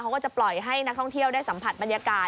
เขาก็จะปล่อยให้นักท่องเที่ยวได้สัมผัสบรรยากาศ